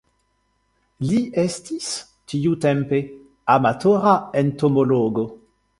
Li estis tiutempe amatora entomologo.